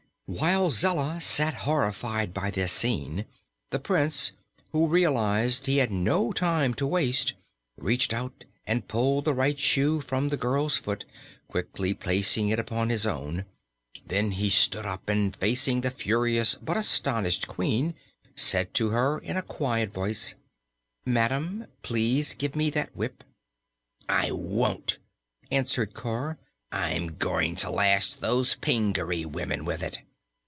While Zella sat horrified by this scene, the Prince, who realized he had no time to waste, reached out and pulled the right shoe from the girl's foot, quickly placing it upon his own. Then he stood up and, facing the furious but astonished Queen, said to her in a quiet voice: "Madam, please give me that whip." "I won't!" answered Cor. "I'm going to lash those Pingaree women with it."